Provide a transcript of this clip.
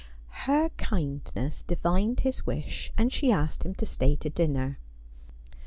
Her kindness divined his wish, and she asked him to stay to dinner.